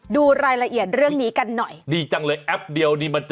ดิจังเลยแอปเดียวนี้